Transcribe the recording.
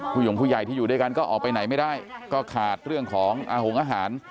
หยงผู้ใหญ่ที่อยู่ด้วยกันก็ออกไปไหนไม่ได้ก็ขาดเรื่องของอาหงอาหาร